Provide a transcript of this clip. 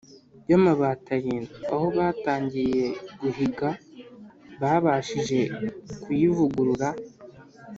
y’amabati arindwi. Aho batangiriye guhiga, babashije kuyivugurura,